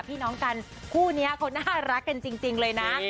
พี่น้องกันคู่นี้เขาน่ารักกันจริงเลยนะ